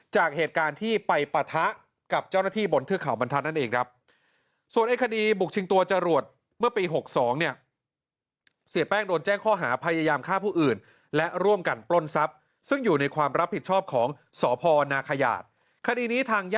จากเหตุการณ์ที่ไปปะทะกับเจ้าหน้าที่บนเทือกเขาบรรทัศน์นั่นเองครับ